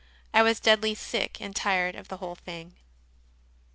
I was deadly sick and tired of the whole thing.